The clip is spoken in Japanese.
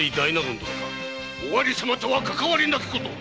尾張様とはかかわりなきこと！